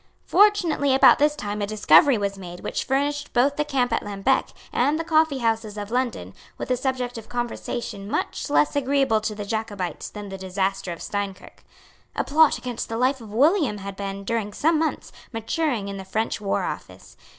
Fortunately about this time a discovery was made which furnished both the camp at Lambeque and the coffeehouses of London with a subject of conversation much less agreeable to the Jacobites than the disaster of Steinkirk. A plot against the life of William had been, during some months, maturing in the French War Office.